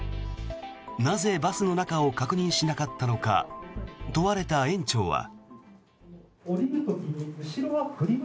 なぜ、バスの中を確認しなかったのか問われた園長は。